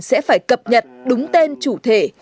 sẽ phải cập nhật đúng tên chủ thể